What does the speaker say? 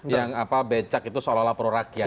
yang apa becak itu seolah olah prorakyat